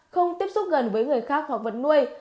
không tiếp xúc gần với người khác hoặc vật nuôi